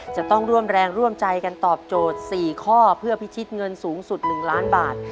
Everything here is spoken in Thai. จะต้องร่วมแรงร่วมใจกันตอบโจทย์๔ข้อเพื่อพิชิตเงินสูงสุด๑ล้านบาท